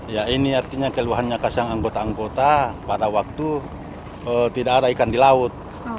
ya ini artinya keluhannya kasang anggota anggota pada waktu tidak ada ikan di laut